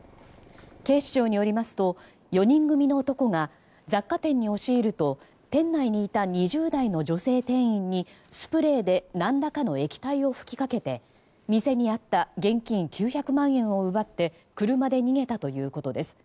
警視庁によりますと４人組の男が雑貨店に押し入ると店内にいた２０代の女性店員にスプレーで何らかの液体を吹きかけて店にあった現金９００万円を奪って車で逃げたということです。